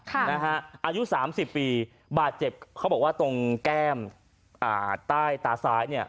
อายุ๓๐ปีบาดเจ็บเขาบอกว่าตรงแก้มใต้ตาซ้ายเนี่ย